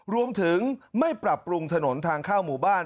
รวมถึงไม่ปรับปรุงถนนทางเข้าหมู่บ้าน